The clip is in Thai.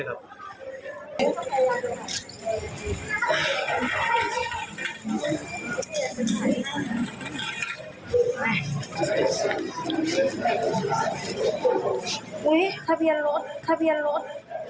คับเบียนสองคับชุด